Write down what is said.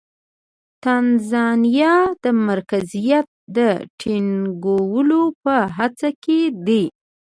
تانزانیا د مرکزیت د ټینګولو په هڅه کې دی.